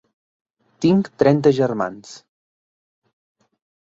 Tinc trenta germans.